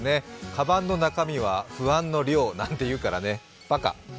かばんの中身は不安の量なんていうからねばか！